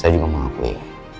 saya juga mengakui